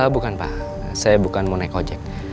bukan pak saya bukan mau naik ojek